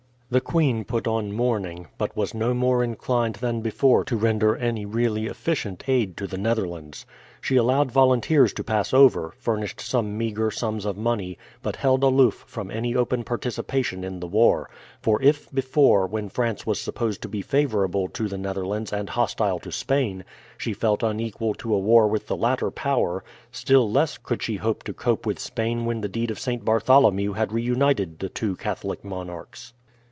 The queen put on mourning, but was no more inclined than before to render any really efficient aid to the Netherlands. She allowed volunteers to pass over, furnished some meagre sums of money, but held aloof from any open participation in the war; for if before, when France was supposed to be favourable to the Netherlands and hostile to Spain, she felt unequal to a war with the latter power, still less could she hope to cope with Spain when the deed of St. Bartholomew had reunited the two Catholic monarchs.